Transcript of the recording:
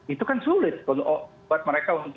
itu kan sulit untuk mereka untuk mengerti